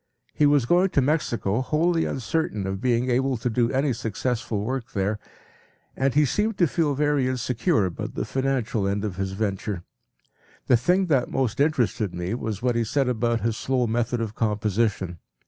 He was going to Mexico wholly uncertain of being able to do any successful work there, and he seemed to feel very insecure about the financial end of his venture. The thing that most interested me was what he said about his slow method of composition.